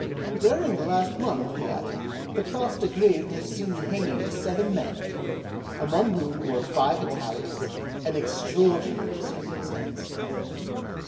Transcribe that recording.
"During the last month," he added, "the Place de Greve has seen the hanging of seven men, among whom there were five Italians. An extraordinary circumstance."